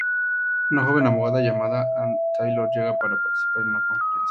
Una joven abogada llamada Ann Taylor llega para participar en una conferencia.